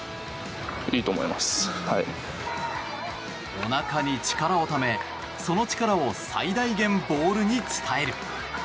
お腹に力をため、その力を最大限ボールに伝える。